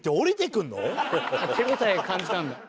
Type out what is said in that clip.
手応え感じたんだ。